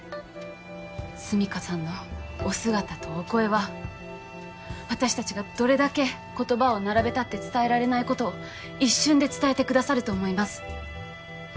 純夏さんのお姿とお声は私たちがどれだけ言葉を並べたって伝えられないことを一瞬で伝えてくださると思います。